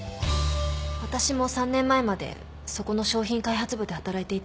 私も３年前までそこの商品開発部で働いていたんです。